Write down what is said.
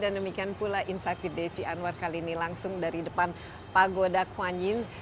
dan demikian pula insakit desi anwar kali ini langsung dari depan pagoda kwan yin